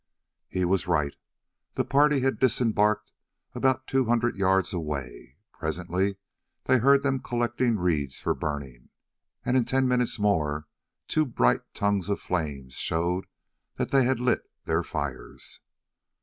He was right; the party had disembarked about two hundred yards away. Presently they heard them collecting reeds for burning, and in ten minutes more two bright tongues of flame showed that they had lit their fires.